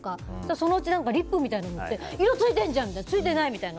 そのうちリップみたいなの塗ってついてるじゃんってついてない！みたいな。